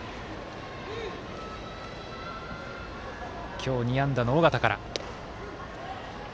今日、２安打の尾形から。